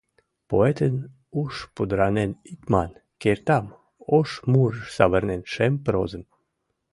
Поэтын уш пудыранен ит ман, Кертам ош мурыш савырен шем прозым.